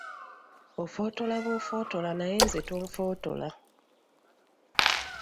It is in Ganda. Ofootola b’ofootola naye nze tonfootola.